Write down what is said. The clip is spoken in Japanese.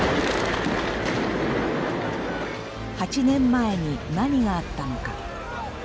８年前に何があったのか。